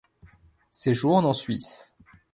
Séjourne en Suisse.